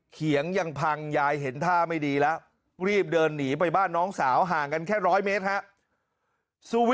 เขียงยังพังยายเห็นท่าไม่ดีแล้ว